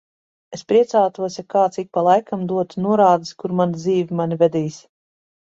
Es priecātos, ja kāds ik pa laikam dotu norādes, kur mana dzīve mani vedīs.